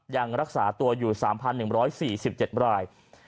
ยังรักษาตัวอยู่๓๑๔๗ราย